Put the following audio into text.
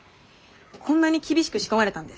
こんなに厳しく仕込まれたんです。